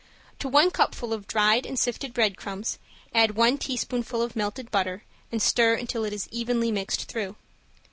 To one cupful of dried and sifted breadcrumbs, add one teaspoonful of melted butter and stir until it is evenly mixed through.